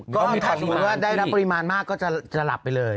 ก็ถ้าอยู่เลือดได้ปริมาณมากก็จะหลับไปเลย